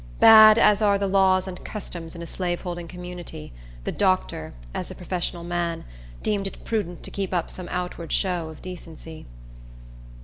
Bad as are the laws and customs in a slaveholding community, the doctor, as a professional man, deemed it prudent to keep up some outward show of decency.